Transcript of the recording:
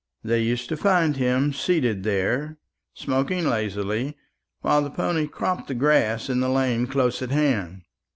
They used to find him seated there, smoking lazily, while the pony cropped the grass in the lane close at hand.